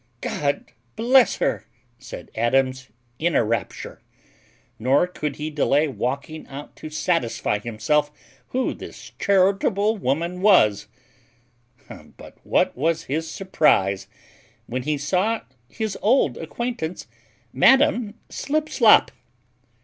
"God bless her!" said Adams, in a rapture; nor could he delay walking out to satisfy himself who this charitable woman was; but what was his surprize when he saw his old acquaintance, Madam Slipslop?